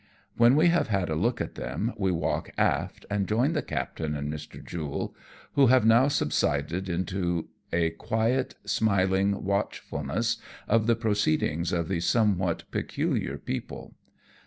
When we have had a look at them, we walk aft and join the captain and Mr. Jule, who have now subsided, into a quiet smiling watchfulness of the proceedings of these somewhat peculiar people.